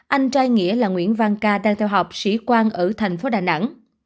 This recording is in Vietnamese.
anh trai nghĩa là nguyễn văn ca đang theo học sĩ quan ở thành phố đà nẵng